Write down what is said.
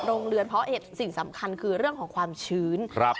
โรงเรือนเพราะเหตุสิ่งสำคัญคือเรื่องของความชื้น